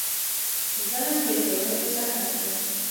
ظلم د ټولنې زهر دی.